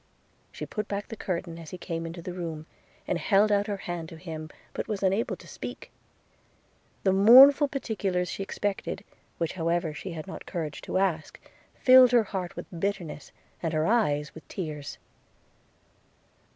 She put back the curtain as he came into the room; and held out her hand to him, but was unable to speak. – The mournful particulars she expected, which however she had not courage to ask, filled her heart with bitterness, and her eyes with tears.